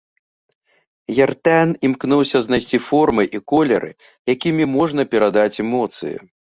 Ертэн імкнулася знайсці формы і колеры, якімі можна перадаць эмоцыі.